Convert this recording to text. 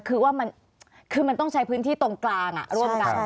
คือว่าคือมันต้องใช้พื้นที่ตรงกลางร่วมกัน